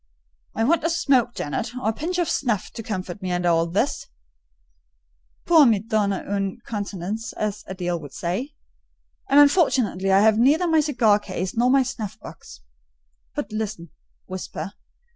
"I want a smoke, Jane, or a pinch of snuff, to comfort me under all this, 'pour me donner une contenance,' as Adèle would say; and unfortunately I have neither my cigar case, nor my snuff box. But listen—whisper.